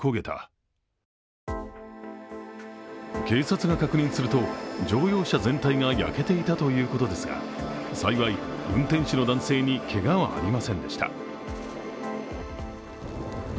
警察が確認すると、乗用車全体が焼けていたということですが幸い、運転手の男性にけがはありませんでした。